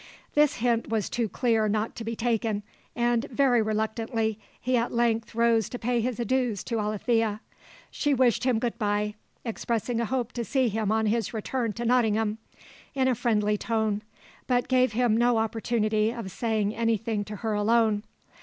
This hint was too clear not to be taken, and, very reluctantly, he at length rose to pay his adieus to Alethea. She wished him good bye, expressing a hope to see him on his return to Nottingham, in a friendly tone, but gave him no opportunity of saying any thing to her alone.